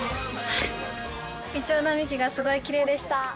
いちょう並木がすごいきれいでした。